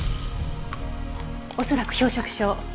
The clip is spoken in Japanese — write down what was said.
おそらく氷食症。